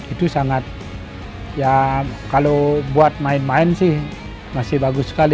itu sangat ya kalau buat main main sih masih bagus sekali